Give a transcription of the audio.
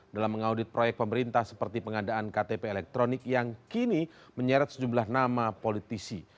dalam mengaudit proyek pemerintah seperti pengadaan ktp elektronik yang kini menyeret sejumlah nama politisi